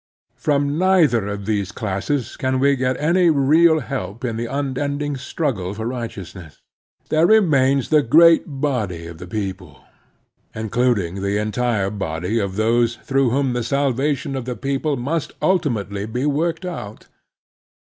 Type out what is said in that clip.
From neither of these classes can we get any real help in the imending struggle for righteousness. There remains the great body of the people, including the entire body of those through whom the salvation of the people must ultimately be worked out.